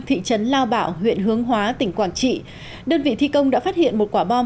thị trấn lao bảo huyện hướng hóa tỉnh quảng trị đơn vị thi công đã phát hiện một quả bom